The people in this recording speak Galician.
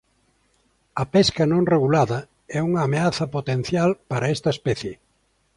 A pesca non regulada é unha ameaza potencial para esta especie.